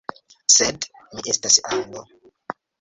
Sed, mi estas Anglo.